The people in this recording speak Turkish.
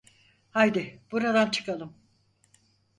Haydi buradan çıkalım.